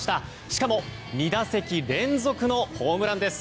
しかも２打席連続のホームランです。